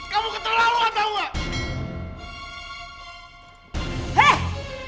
kamu keterlaluan tahu gak